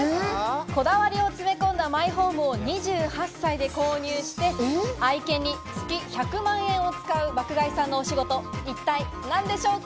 こだわりを詰め込んだマイホームを２８歳で購入して愛犬に月１００万円を使う爆買いさんのお仕事、一体何でしょうか？